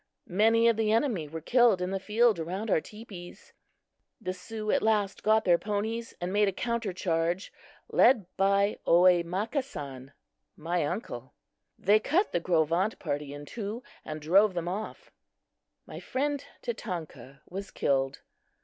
Many of the enemy were killed in the field around our teepees. The Sioux at last got their ponies and made a counter charge, led by Oyemakasan (my uncle). They cut the Gros Ventre party in two, and drove them off. My friend Tatanka was killed.